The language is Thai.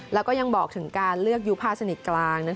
แล้วก็ยังบอกถึงการเลือกยุภาสนิทกลาง